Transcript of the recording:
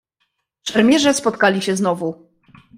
"Szermierze spotkali się znowu."